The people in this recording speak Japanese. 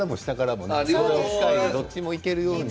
どっちもいけるように。